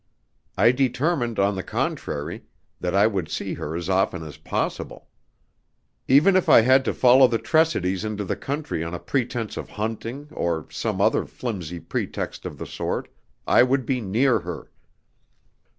I determined, on the contrary, that I would see her as often as possible. Even if I had to follow the Tressidys into the country on a pretence of hunting, or some other flimsy pretext of the sort, I would be near her.